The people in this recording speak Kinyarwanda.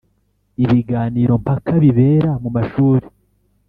Ibiganiro mpaka bibera mu mashuri